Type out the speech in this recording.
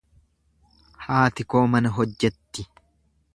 Haati koo mana hojjetti.